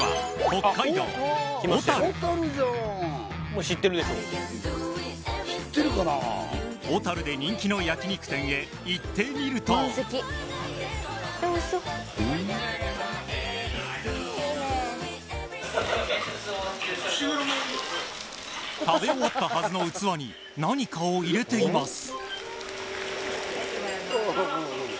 小樽小樽で人気の焼き肉店へ行ってみるといいね食べ終わったはずの器に何かを入れています